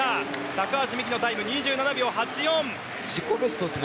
高橋美紀のタイムは２７秒８４です。